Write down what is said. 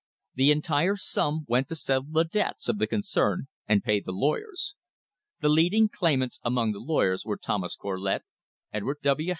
The entire sum went to settle the debts of the concern and pay the lawyers. The leading claimants among the lawyers were Thomas Corlett, Edward W.